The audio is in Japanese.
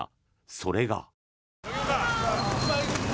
それが。